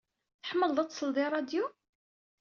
Tḥemmleḍ ad tesleḍ i ṛṛadyu?